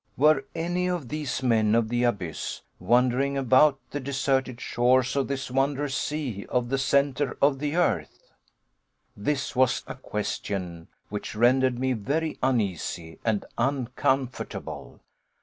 Were any of these men of the abyss wandering about the deserted shores of this wondrous sea of the centre of the earth? This was a question which rendered me very uneasy and uncomfortable.